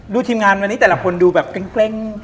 ทีมงานวันนี้แต่ละคนดูแบบเกร็ง